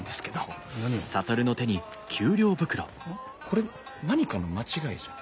これ何かの間違いじゃ。